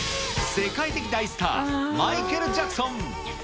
世界的大スター、マイケル・ジャクソン。